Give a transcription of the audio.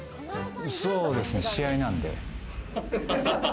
そうですね、試合なんで。